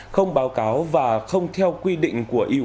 không báo cáo và không theo quy định